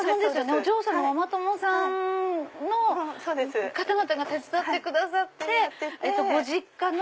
お嬢さんのママ友さんの方々が手伝ってくださってご実家の。